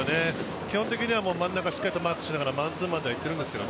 基本的には真ん中をマークしながらマンツーマンではいっているんですけどね。